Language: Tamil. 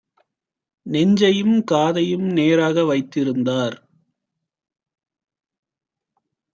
நெஞ்சையும் காதையும் நேராக வைத்திருந்தார்: